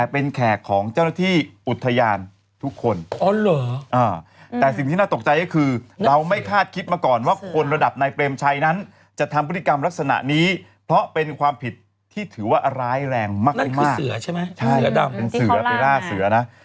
เพราะคนระดับในเปรมชัยนั้นจะทำบริกรรมลักษณะนี้เพราะเป็นความผิดที่ถือว่าร้ายแรงมากที่มากนั่นคือเสือใช่ไหมเสือดำเป็นเสือเป็นล่าเสือนะ